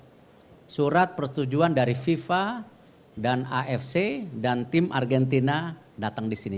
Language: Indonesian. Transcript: ada surat persetujuan dari fifa dan afc dan tim argentina datang di sini